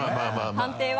判定は？